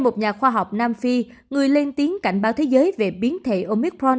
một nhà khoa học nam phi người lên tiếng cảnh báo thế giới về biến thể omicron